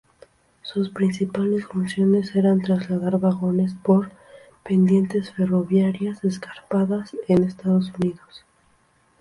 Sus principales funciones eran trasladar vagones por pendientes ferroviarias escarpadas en Estados Unidos.